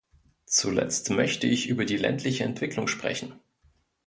Zuletzt möchte ich über die ländliche Entwicklung sprechen.